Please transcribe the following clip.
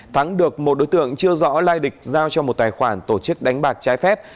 thắng được một đối tượng chưa rõ lai lịch giao cho một tài khoản tổ chức đánh bạc trái phép